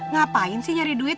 ngapain sih nyari duit